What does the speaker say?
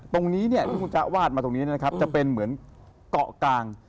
ตรงนี้ที่คุณจ๊ะวาดมาตรงนี้นะครับจะเป็นเหมือนเกาะกลาง